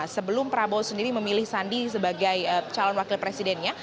sebelum prabowo sendiri memilih sandi sebagai calon wakil presidennya